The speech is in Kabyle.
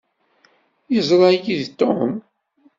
Yeẓṛa-yi-d Tom.